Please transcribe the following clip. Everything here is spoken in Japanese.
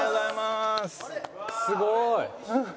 すごい。